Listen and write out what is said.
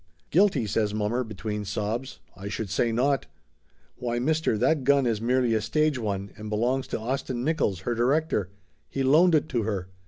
"Guilty?" says mommer between sobs. "I should say not ! Why, mister, that gun is merely a stage one and belongs to Austin Nickolls, her director. He loaned it to her."